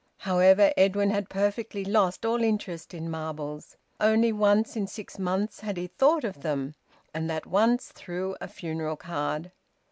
However, Edwin had perfectly lost all interest in marbles; only once in six months had he thought of them, and that once through a funeral card.